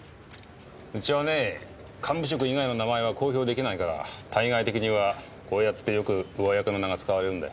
うちはね幹部職以外の名前は公表できないから対外的にはこうやってよく上役の名が使われるんだよ。